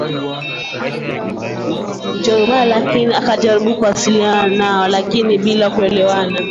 Mkwawa aliwahi kusikia mapema habari za Wajerumani akajaribu kuwasiliana nao lakini bila kuelewana